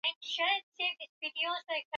Arisema asema kuko paka mpango ya kiloko